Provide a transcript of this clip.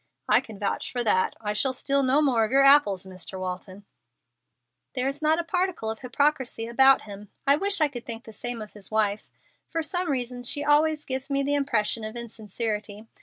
"I can vouch for that. I shall steal no more of your apples, Mr. Walton." "There is not a particle of hypocrisy about him. I wish I could think the same of his wife. For some reason she always gives me the impression of insincerity.